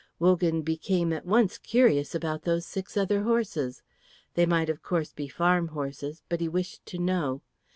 Wogan became at once curious about those six other horses. They might of course be farm horses, but he wished to know.